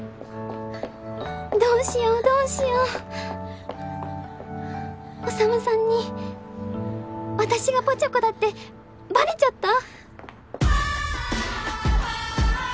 どうしようどうしよう宰さんに私がぽちゃ子だってバレちゃった！？